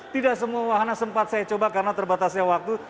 tidak semua wahana sempat saya coba karena terbatasnya waktu